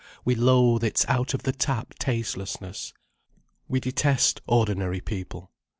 We loathe its out of the tap tastelessness. We detest ordinary people.